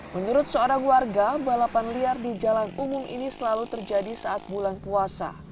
menurut seorang warga balapan liar di jalan umum ini selalu terjadi saat bulan puasa